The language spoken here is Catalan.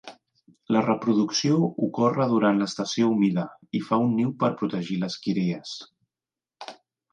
La reproducció ocorre durant l'estació humida i fa un niu per protegir les cries.